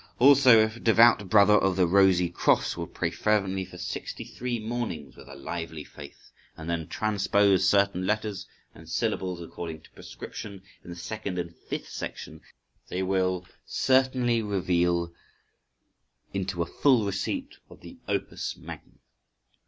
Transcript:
Also, if a devout brother of the Rosy Cross will pray fervently for sixty three mornings with a lively faith, and then transpose certain letters and syllables according to prescription, in the second and fifth section they will certainly reveal into a full receipt of the opus magnum.